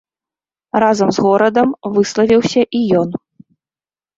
Разам з горадам выславіўся і ён.